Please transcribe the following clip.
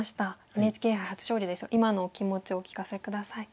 ＮＨＫ杯初勝利ですが今のお気持ちをお聞かせ下さい。